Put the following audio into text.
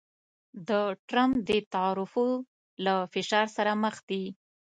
د ټرمپ د تعرفو له فشار سره مخ دی